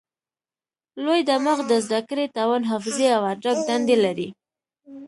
لوی دماغ د زده کړې، توان، حافظې او ادراک دندې لري.